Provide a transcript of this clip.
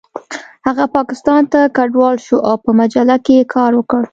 هغه پاکستان ته کډوال شو او په مجله کې یې کار وکړ